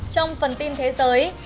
trong phần tin thế giới